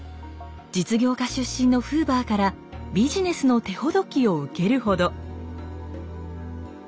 実業家出身のフーバーからビジネスの手ほどきを受けるほど。